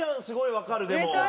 すごいわかるでも。